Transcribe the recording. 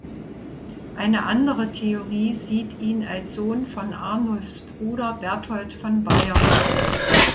Eine andere Theorie sieht ihn als Sohn von Arnulfs Bruder Berthold von Bayern.